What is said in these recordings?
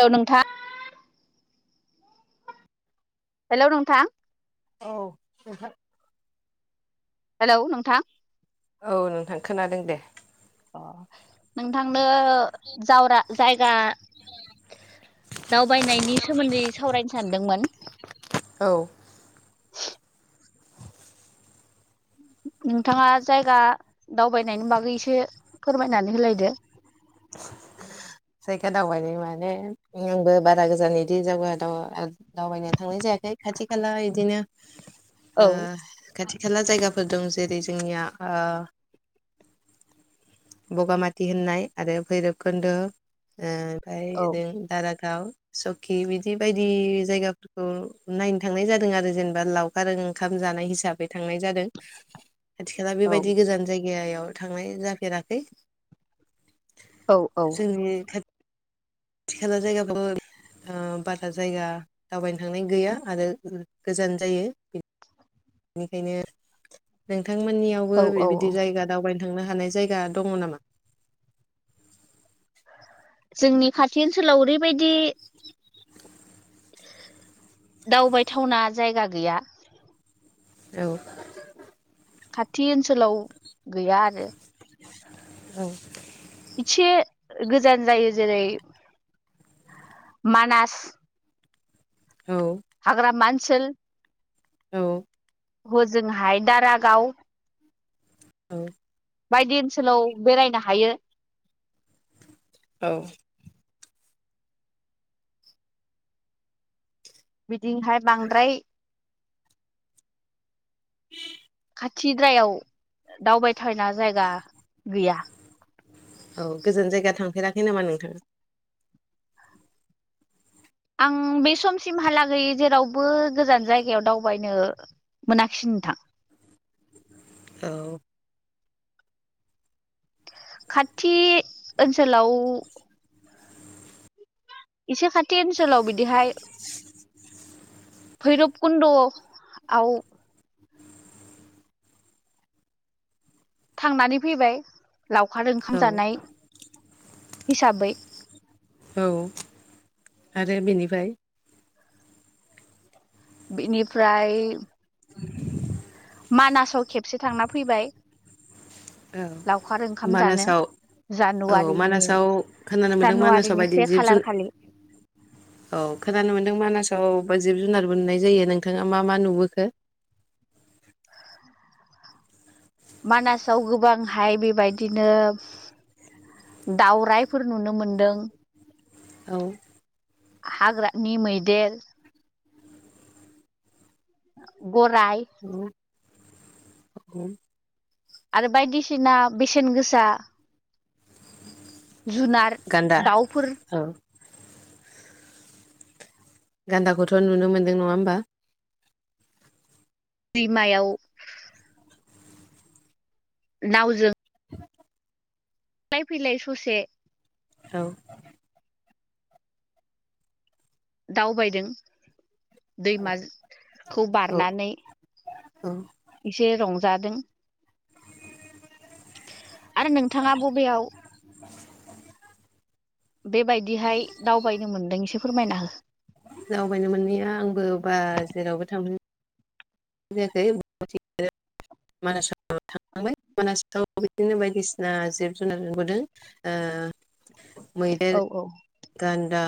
हेल' नोंथां हेल' नोंथां। औ नोंथां। हेलौ नोंथां। औ नोंथां खोनादों दे। ओ नोंथांनो जावरा जायगा दावबायनायनि सोमोन्दै सावरायनो सानदोंमोन। औ नोंथाङा जायगा दावबायनायनि बागै‌ एसे फोरमायनानै होलायदो। [inaudible] जायगा दावबायनाय माने आंबो बारा गोजान बिदि जायगा दा दावबायनो थांनाय जायाखै खाथि खाला बिदिनो औ ओ खाथि खाला जायगाफोर दं जेरै जोंनिया बगामाथि होननाय आरो भैरबखुन्द' ओमफ्राय औ ओरै दारा गाव सकि बिदि बायदि जायगाफोरखौ नायनो थांनाय जादों आरो जेनेबा लावखार ओं ओंखाम जानाय हिसाबै थांनाय जादों। खाथिखाला औ बेबायदि गोजान जायगायाव थांनाय जाफेराखै। औ औ जोंनि खा थि खाला जायगा बारा जायगा दावबायनो थांनाय गैया आरो गोजान जायो। बेनिखायनो औ नोंथांमोननियावबो बिबायदि औ जायगा दावबायनो थांनो हानाय जायगा दङ नामा? जोंनि खाथि ओनसोलाव ओरैबायदि दावबायथावना जायगा गैया। औ खाथि ओनसोलाव गैया आरो औ इसे गोजान जायो जेरै मानास हाग्रामा ओनसोल औ हजोंहाय दारागाव औ बायदि ओनसोलाव बेरायनो हायो। औ बिदिहाय बांद्राय [inaudible] खाथिद्रायाव दावबायथावना जायगा गैया। औ गोजान जायगा थांफेराखै नामा नोंथाङा? आं बे समसिमहालागै जेरावबो गोजान जायगायाव दावबायनो मोनाखिसै नोंथां। औ खाथि ओनसोलाव इसे खाथि ओनसोलाव बिदिहाय भैरबकुन्द आव थांनानै फैबाय लावखार ओंखाम औ जानाय हिसाबै। औ आरो बेनिफ्राय? बिनिफ्राय मानासाव खेबसे थांना फैबाय। औ लावखार ओंखाम जानो मानासाव औ जानुवारिनि मानासाव खोनानो मोनदों मानासाव जानुवारिनि बायदि से जिब खालार जुनार खालि औ खोनानो मोनदों माना सावबा जिब जुनारबो नुनाय जायो नोंथाङा मा मा नुबोखो? मानासाव गोबांहाय बेबायदिनो दावराइफोर नुनो मोनदों औ हाग्रानि मैदेर, गराइ, औ [inaudible] आरो बायदिसिना बेसेन गोसा जुनार गान्दा दाउफोर औ गान्दाखौथ' नुनो मोनदों नङा होमबा बिमायाव दावजो लाय फैलाय ससे औ दावबायदों दैमाखौ औ बारनानै औ एसे रंजादों आरो नोंथाङा बबेयाव बेबायदिहाय दावबायनो मोनदों एसे फोरमायना हो जावबायनो मोनैया आंबो बा जेरावबो थांफेरनो [unintelligible] [unintelligible] बिदिनो बायदिसिना जिब जुनार नुबोदों ओह मैदेर औ औ गान्दा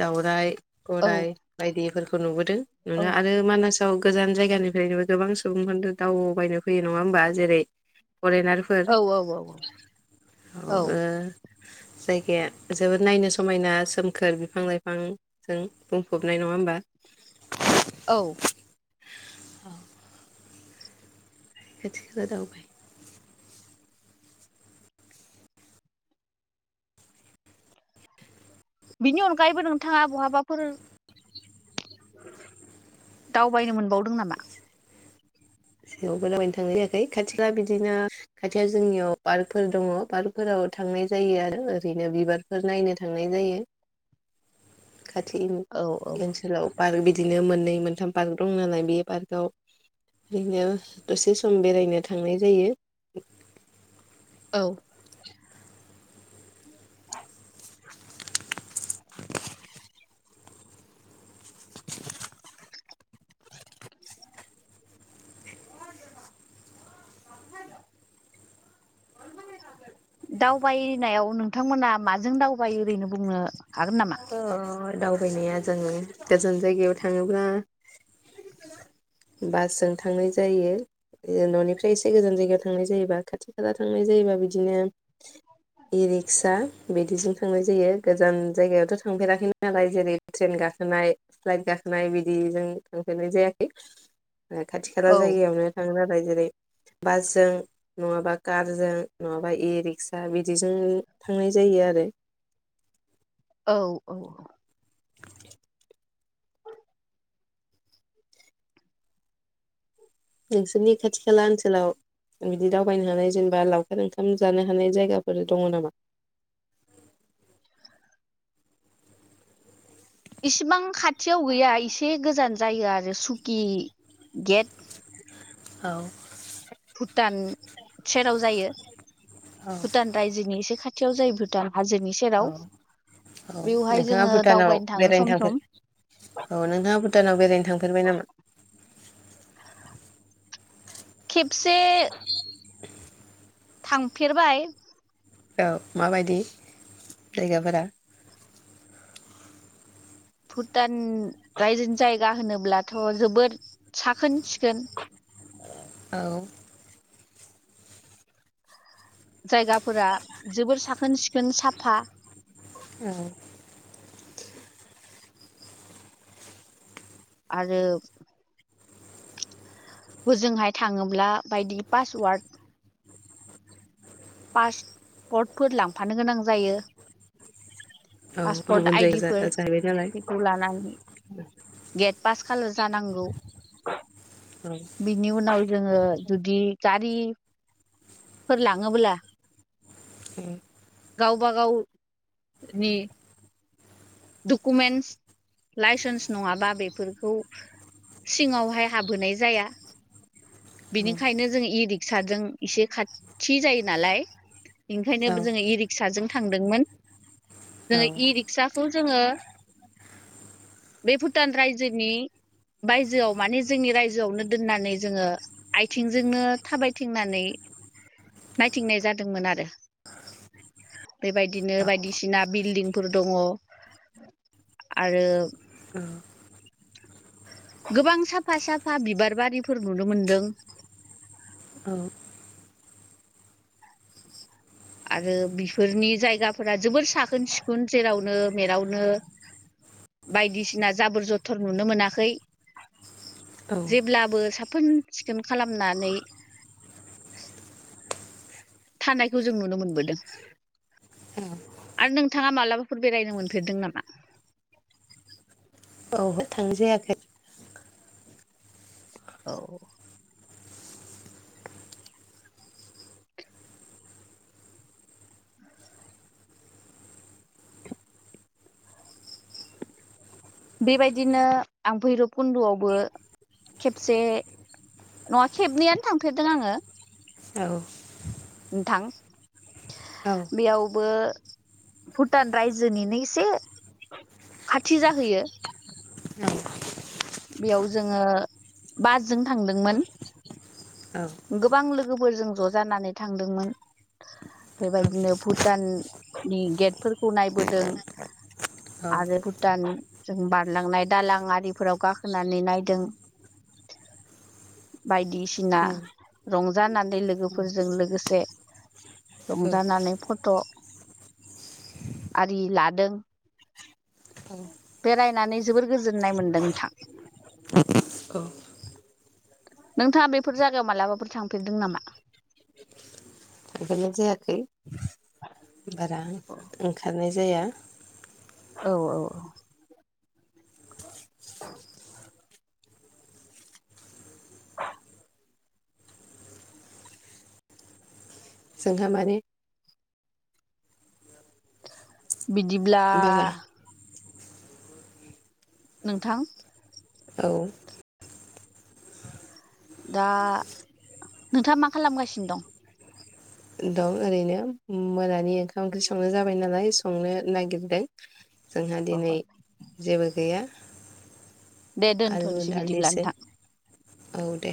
दाउराइ औ गराय बायदिफोरखौ नुबोदों आरो मानास गोजान जायगानिफ्रायनो गोबां सुबुंफोरनो दावबायनो फैयो नङा होमबा जेरै फरेनारफोर औ औ औ [unintelligible] जायगाया जोबोद नायनो समायना सोमखोर बिफां लाइफांजों बुंफबनाय नङा होमबा औ। [inaudible] [unintelligible] बिनि अनगायैबो नोंथाङा बहाबाफोर दावबायनो मोनबावदों नामा? सियावबो दबायायनो थांनाय जायाखै खाथिला बिदिनो खाथियाव जोंनियाव पार्कफोर दङ पार्कफोराव थांनाय जायो आरो ओरैनो बिबारफोर नायनो थांनाय जायो। [inaudible] खाथि औ औ नि ओनसोलाव। आरो बिदिनो मोननै मोनथाम पार्क दं नालाय बे पार्कआव इदिनो दसे सम बेरायनो थांनाय जायो औ [inaudible] दावबायिनायाव नोंथांमोना माजों दावबायो रिनो बुंनो हागोन नामा? ओह दावबायनाया जोंङो गोजान जायगायाव थाङोब्ला [inaudible] बासजों थांनाय जायो न'निफ्राय एसे गोजान जायगायाव थांनाय जायोबा खाथि खाला थांनाय जायोबा बिदिनो इ रिक्सा बिदिजों थांनाय जायो गोजान जायगायावथ' थांफेराखैनो नालाय जेरै ट्रेन गाखोनाय फ्लाइट गाखोनाय बिदिजों थांफेरनाय जायाखै खाथि खाला औ जायगायावनो थाङो आरो जेरै। बासजों नङाबा कारजों नङाबा इ रिक्सा बिदिजों थांनाय जायो। आरो। [inaudible] औ औ। नोंसोरनि खाथि खाला ओनसोलाव। बिदि दावबायनो हानाय जेनेबा लावखार ओंखाम जानो हानाय जायगाफोर दङ नामा [inaudible] इसिबां खाथियाव गैया एसे गोजान जायो आरो सुकि गेद। औ भुटान सेराव जायो औ भुटान रायजोनि एसे खाथि खाथियाव जायोबो दा हाजोनि सेराव औ औ बेवहाय नोंथाङा जोङो भुटानाव दावबायनो थाङो बेरायनो सम थांफेर सम। औ नोंथाङा भुटानाव बेरायनो थांफेरबाय नामा? खेबसे। थांफेरबाय औ माबायदि जायगाफोरा भुटान रायजोनि जायगा होनोब्लाथ' जोबोद साखोन सिखोन। औ। जायगाफोरा जोबोर साखोन सिखोन साफा। औ। आरो होजोंहाय थाङोब्ला बायदि पासवार्ड पासवार्डफोर लांफानो गोनां जायो। औ पासवार्ड गुबुन जायगा जा आइदिफोर जाहैबाय नालाय औ बेखौ लानानै गेट पास खाल जानांगौ औ बिनि उनाव जोङो जुदि गारि फोर लाङोबोला ए। गावबा गाव नि डकुमेन्टस लाइसेन्स नङाबा बेफोरखौ सिङावहाय हाबहोनाय जाया। बिनिखायनो जों इ रिक्साजों एसे खाथि जायो नालाय औ ओंखायनो जोङो इ रिक्साजों थांदोंमोन औ जोङो इ रिक्साफोर जोङो बे भुटान रायजोनि बायजोआव माने जोंनि रायजोआवनो दोननानै जोङो आथिंजोंनो थाबायथिंनानै नायथिंनाय जादोंमोन आरो। बेबायदिनो बायदिसिना बिल्डिंफोर दङ आरो औ। गोबां साफा साफा बिबारबारिफोर नुनो मोनदों। औ। आरो बेफोरनि जायगाफोरा जोबोर साखोन सिखोन जेरावनो मेरावनो बायदिसिना जाबोर ज'थर नुनो मोनाखै। औ जेब्लाबो साखोन सिखोन खालामनानै थानायखौ जों नुनो मोनबोदों। आरो नोंथाङा मालाबाफोर बेरायनो मोनफेरदों नामा? औ थांनाय जायाखै औ। [inaudible] बेबायदिनो आं भैरबकुन्द'आवबो खेबसे नङा खेबनैयानो थांफेरदों आङो। नोंथां बेयावबो भुटान रायजोनिनो एसे खाथि जाहैयो। बेयाव जोङो बासजों थांदोंमोन। गोबां लोगोफोरजों ज' जानानै थांदोंमोन। बेबायदिनो भुटाननि गेटफोरखौ नायबोदों। आरो थांफेरनाय भुटानजों बारलांनाय दालां आरिफोराव गाखोनानै नायदों। बायदिसिना रंजानानै लोगोफोरजों लोगोसे रंजानानै फ ट' आरि लादों। बेरायनानै जोबोर गोजोननाय मोनदों नोंथां। नोंथाङा बेफोर जायगायाव मालाबाफोर थांफेरदों नामा? थांफेरनाय जायाखै बारा अ ओंखारनाय जाया। औ औ औ। जोंहा माने बिदिब्ला बारा नोंथां औ। दा नोंथाङा मा खालामगासिनो दं? दं ओरैनो मोनानि ओंखाम ओंख्रि संनो जाबाय नालाय संनो नागिरदों। जोंहा दिनै दं? जेबो गैया। दे आलु दोनथ'नोसै बिदिब्ला दालिसो नोंथां। औ दे।